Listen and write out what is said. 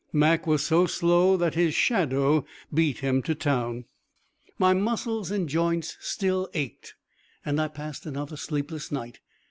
Mac was so slow that his shadow beat him to town. My muscles and joints still ached, and I passed another sleepless night.